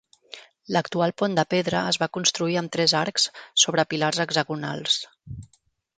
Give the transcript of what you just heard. L'actual pont de pedra es va construir amb tres arcs sobre pilars hexagonals.